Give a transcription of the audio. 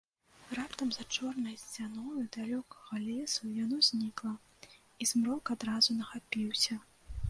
Раптам за чорнай сцяною далёкага лесу яно знікла, і змрок адразу нахапіўся.